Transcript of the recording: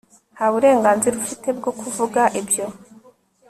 nta burenganzira ufite bwo kuvuga ibyo